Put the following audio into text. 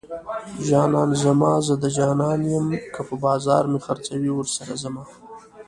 جانان زما زه د جانان يم که په بازار مې خرڅوي ورسره ځمه